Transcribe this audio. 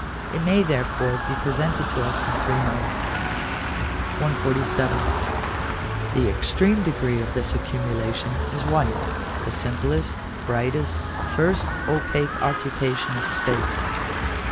It may therefore be presented to us in three modes. 147. The extreme degree of this accumulation is white; the simplest, brightest, first, opaque occupation of space.